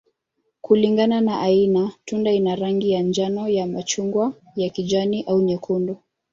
Kulingana na aina, tunda ina rangi ya njano, ya machungwa, ya kijani, au nyekundu.